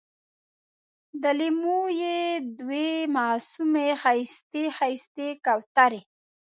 د لېمو یې دوې معصومې ښایستې، ښایستې کوترې